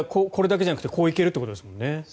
これだけじゃなくてこう行けるということですよね。